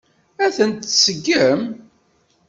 Ad tent-tseggem?